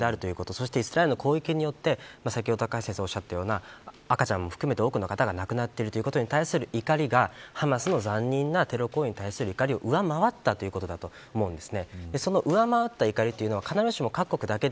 そしてイスラエルの攻撃によって先ほど、高橋先生がおっしゃっていた、赤ちゃんとか多くの人が亡くなってることに対する怒りがハマスの残忍なテロ行為に対する怒りを上回ったということだと思うんです。